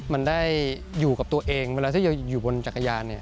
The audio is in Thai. มันได้อยู่กับตัวเองเวลาที่อยู่บนจักรยาน